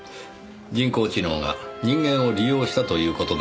人工知能が人間を利用したという事ですか？